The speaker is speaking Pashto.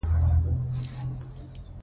افغانستان له چار مغز ډک دی.